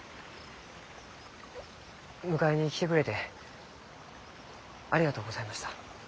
迎えに来てくれてありがとうございました。